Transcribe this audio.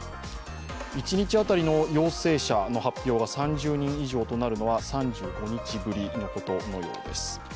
一日当たりの陽性者の発表が３０人以上となるのは３５日ぶりのことのようです。